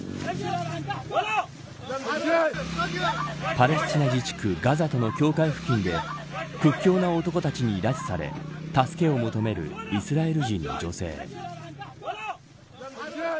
パレスチナ自治区ガザとの境界付近で屈強な男たちに拉致され助けを求めるイスラエル人の女性。